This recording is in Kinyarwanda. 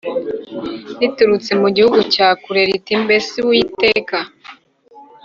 riturutse mu gihugu cya kure riti Mbese Uwiteka